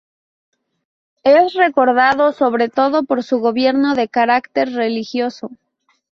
Es recordado sobre todo por su gobierno de carácter religioso.